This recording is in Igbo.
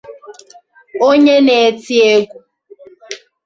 onye na-eti egwu